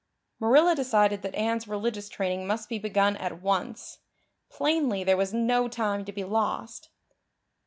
Marilla decided that Anne's religious training must be begun at once. Plainly there was no time to be lost.